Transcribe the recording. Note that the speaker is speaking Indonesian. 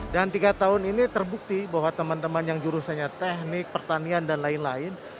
dan tiga tahun ini terbukti bahwa teman teman yang jurusannya teknik pertanian dan lain lain